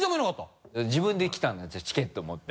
自分で来たんだじゃあチケット持って。